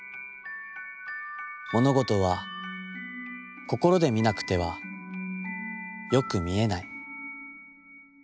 ものごとは心で見なくては、よく見えない。